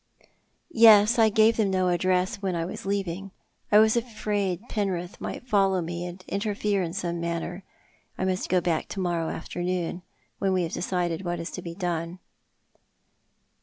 " Yes. I gave them no address when I was leaving. I w^as afraid Penrith might follow me, and interfere in some manner. I must go back to morrow afternoon, when w'e have decided what is to be done."